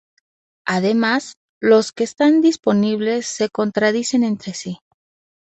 Además, los que están disponibles se contradicen entre sí.